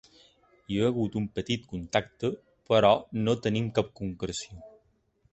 Hi ha hagut un petit contacte però no tenim cap concreció.